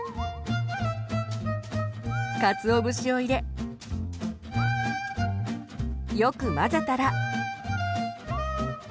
かつお節を入れよく混ぜたら。